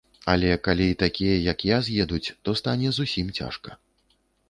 Але калі і такія, як я, з'едуць, то стане зусім цяжка.